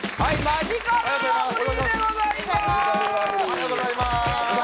マヂカルラブリーでございます